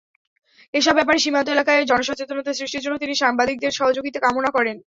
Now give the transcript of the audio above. এসব ব্যাপারে সীমান্ত এলাকায় জনসচেতনতা সৃষ্টির জন্য তিনি সাংবাদিকদের সহযোগিতা কামনা করেন।